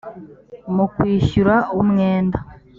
mu kwishyura umwenda